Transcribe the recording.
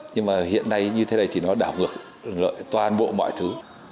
nhưng mà hiện nay như thế này thì nó đảo ngược toàn bộ mọi thứ